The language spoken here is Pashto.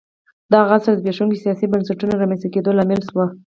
دغه عصر د زبېښونکو سیاسي بنسټونو رامنځته کېدو لامل شو